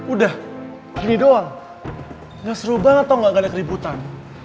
udah gini doang nggak seru banget tau nggak ada keributan